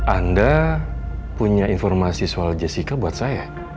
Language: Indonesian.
anda punya informasi soal jessica buat saya